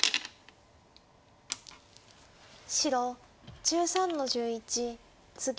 白１３の十一ツギ。